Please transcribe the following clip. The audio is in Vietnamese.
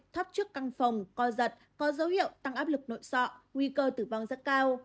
thắp trước căn phòng co giật có dấu hiệu tăng áp lực nội sọ nguy cơ tử vong rất cao